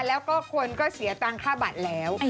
แล้วก็คนก็เสียตังค่าบัตรแล้ว